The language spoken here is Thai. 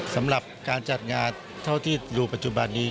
สำหรับการจัดงานเท่าที่อยู่ปัจจุบันนี้